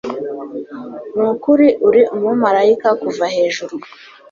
nukuri uri umumarayika kuva hejuru